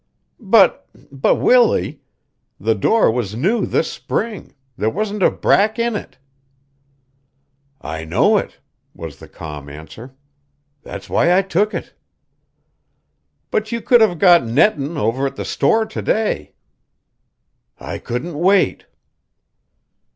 "But but Willie! The door was new this Spring; there wasn't a brack in it." "I know it," was the calm answer. "That's why I took it." "But you could have got nettin' over at the store to day." "I couldn't wait."